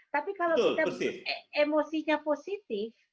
tapi kalau kita emosinya positif